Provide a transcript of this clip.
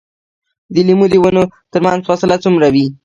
د لیمو د ونو ترمنځ فاصله څومره وي؟